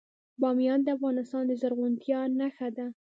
بامیان د افغانستان د زرغونتیا نښه ده.